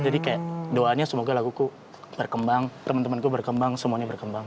jadi kayak doanya semoga laguku berkembang temen temenku berkembang semuanya berkembang